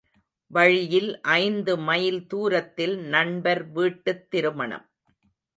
வழியில் ஐந்து மைல் தூரத்தில் நண்பர் வீட்டுத் திருமணம்.